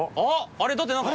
あれだって何か。